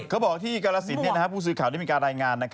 เขาบอกที่กรสินผู้สื่อข่าวได้มีการรายงาน